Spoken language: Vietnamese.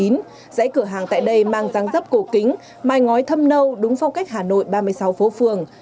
dãy cửa hàng tại đây mang ráng rấp cổ kính mài ngói thâm nâu đúng phong cách hà nội ba mươi sáu phố phường